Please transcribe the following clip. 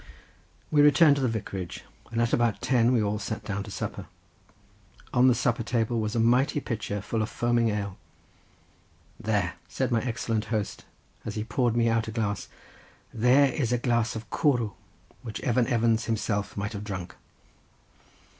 We returned to the vicarage and at about ten we all sat down to supper. On the supper table was a mighty pitcher full of foaming ale. "There," said my excellent host, as he poured me out a glass, "there is a glass of cwrw, which Evan Evans himself might have drunk."